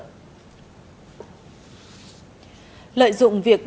lợi dụng việc đánh giá của công ty huỳnh thắng